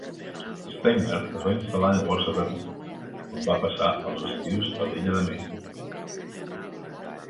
Steiner es va instal·lar llavors a Vermont, on va passar els estius a l'illa de Maine.